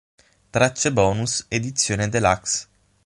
Tracce bonus Edizione deluxe